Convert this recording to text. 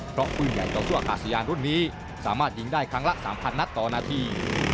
เพราะปืนใหญ่ต่อสู้อากาศยานรุ่นนี้สามารถยิงได้ครั้งละ๓๐๐นัดต่อนาที